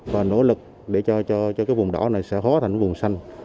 và nỗ lực để cho cái vùng đỏ này sẽ hóa thành vùng xanh